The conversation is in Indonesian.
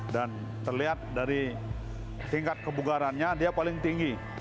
dan terlihat dari tingkat kebugarannya dia paling tinggi